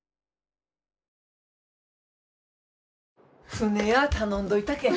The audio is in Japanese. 船や頼んどいたけん。